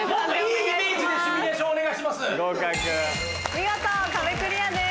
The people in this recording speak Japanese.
見事壁クリアです。